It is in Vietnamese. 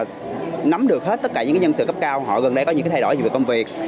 scan và nắm được hết tất cả những nhân sự cấp cao họ gần đây có những cái thay đổi về công việc